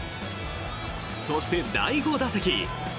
そして、第５打席。